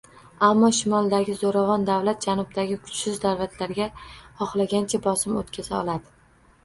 Ammo shimoldagi zo'ravon davlat janubdagi kuchsiz davlatlarga xohlagancha bosim o'tkaza oladi